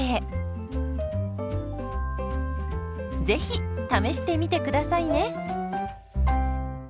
ぜひ試してみてくださいね。